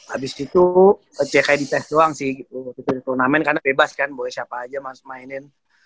abis itu ck di tes doang sih gitu turnamen karena bebas kan boleh siapa aja mas mainin